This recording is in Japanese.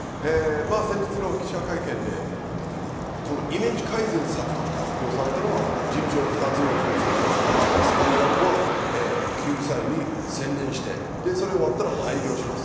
先日の記者会見でイメージ改善策として発表されたのは事務所を２つの事務所に分けてＳＭＩＬＥ−ＵＰ．は救済に専念してそれが終わったら廃業します。